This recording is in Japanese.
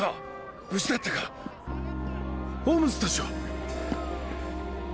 無事だったかホームズたちは？